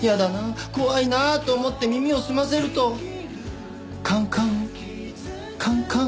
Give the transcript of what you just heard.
怖いな」と思って耳を澄ませると「カンカンカンカン」。